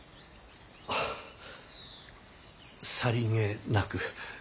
あさりげなく。